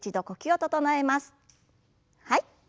はい。